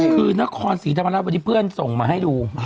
คือนครศรีธรรมราชวันนี้เพื่อนส่งมาให้ดู